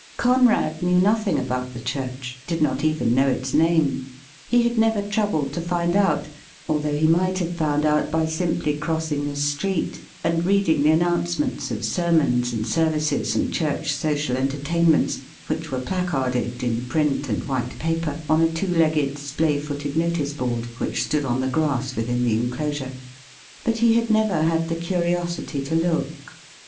Conrad knew nothing about the church — did not even know its name ; he had never troubled to find out, although he might have found out by simply crossing the street and reading the announcements of sermons and services and church social entertainments which were placarded, in print and white paper, on a two legged, splay footed notice board which stood on the grass within the en closure, but he had never had the curiosity to look.